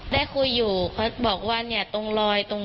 ได้คุยอยู่เขาบอกว่าตรงลอย